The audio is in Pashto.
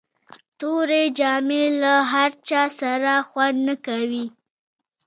توري جامي د له هر چا سره خوند نه کوي.